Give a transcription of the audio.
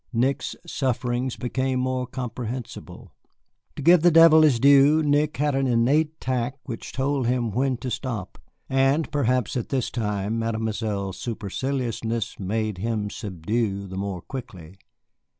Nick's sufferings became more comprehensible. To give the devil his due, Nick had an innate tact which told him when to stop, and perhaps at this time Mademoiselle's superciliousness made him subside the more quickly.